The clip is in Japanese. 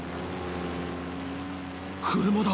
車だ！